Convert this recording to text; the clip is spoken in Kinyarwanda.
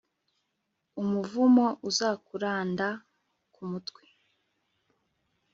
umuvumo uzakuranda ku mutwe